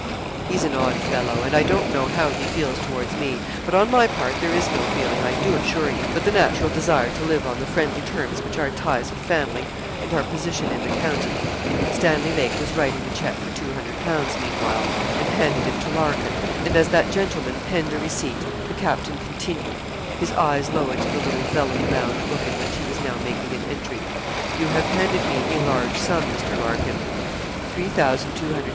'He's an odd fellow; and I don't know how he feels towards me; but on my part there is no feeling, I do assure you, but the natural desire to live on the friendly terms which our ties of family and our position in the county' Stanley Lake was writing the cheque for 200_l._ meanwhile, and handed it to Larkin; and as that gentleman penned a receipt, the captain continued his eyes lowered to the little vellum bound book in which he was now making an entry: 'You have handed me a large sum, Mr. Larkin 3,276_l._ 11_s.